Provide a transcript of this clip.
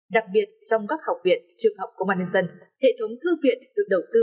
đặc biệt trong các học viện trường học công an nhân dân hệ thống thư viện được đầu tư